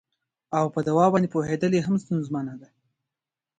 او په دوا باندې یې پوهیدل هم ستونزمنه ده